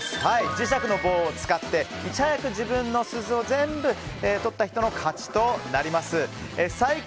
磁石の棒を使っていち早く自分の鈴を全部取った人の勝ちとなります。